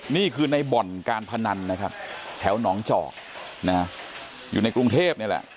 นี่คือในบ่อนการพนันนะครับแถวหนองจอกนะฮะอยู่ในกรุงเทพนี่แหละ